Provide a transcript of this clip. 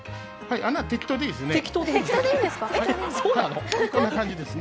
穴は適当でいいですね。